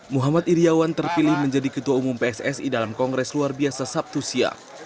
muhammad iryawan terpilih menjadi ketua umum pssi dalam kongres luar biasa sabtu siang